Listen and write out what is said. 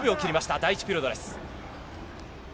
第１ピリオドです。